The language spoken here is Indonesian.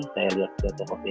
saya lihat ke tokopedia